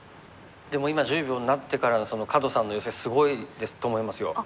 でも今１０秒になってからの角さんのヨセすごいと思いますよ。